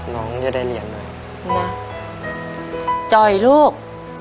น้องจะได้เรียนด้วยนะจ่อยลูก